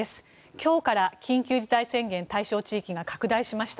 今日から緊急事態宣言対象地域が拡大しました。